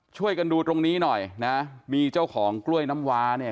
ช่วยกันดูตรงนี้หน่อยนะมีเจ้าของกล้วยน้ำวาเนี่ย